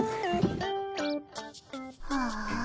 ああ。